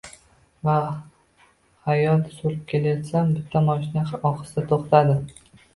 Va xayol surib kelayotsam, bitta mashina ohista toʻxtadi.